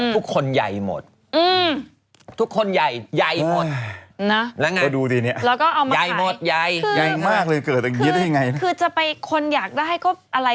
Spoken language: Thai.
ทุกคนใหญ่หมดทุกคนใหญ่ใหญ่หมดแล้วไงแล้วก็เอามาขาย